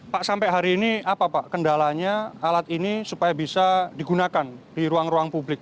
pak sampai hari ini apa pak kendalanya alat ini supaya bisa digunakan di ruang ruang publik